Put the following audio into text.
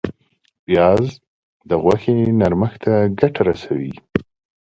پیاز د غوښې نرمښت ته ګټه رسوي